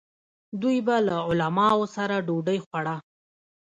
دوی به له علماوو سره ډوډۍ خوړه.